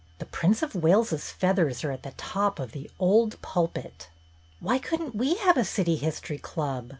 The Prince of Wales's feathers are at the top of the old pulpit." "Why couldn't we have a City History Club?"